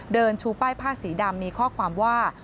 ชูป้ายผ้าสีดำมีข้อความว่า